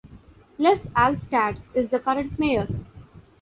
Les Alvstad is the current mayor.